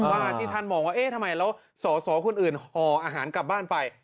ว่าที่ท่านมองว่าเอ๊ะทำไมแล้วสอสอคนอื่นห่ออาหารกลับบ้านไป